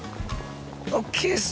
ＯＫです